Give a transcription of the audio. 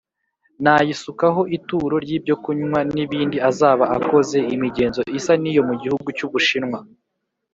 nayisukaho ituro ry ibyokunywa nibindi azaba akoze imigenzo isa niyo mu gihugu cy’ ubushinwa.